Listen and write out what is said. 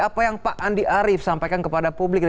apa yang pak andi arief sampaikan kepada publik